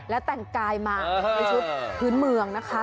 และแต่งกายมาในชุดพื้นเมืองนะคะ